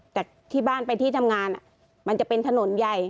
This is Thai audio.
แต่ที่บ้านไปที่ทำงานมันจะเป็นถนนใหญ่